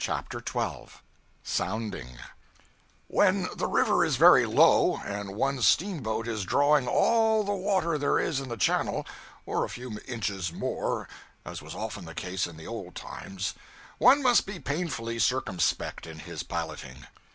CHAPTER 12 Sounding WHEN the river is very low, and one's steamboat is 'drawing all the water' there is in the channel, or a few inches more, as was often the case in the old times, one must be painfully circumspect in his piloting.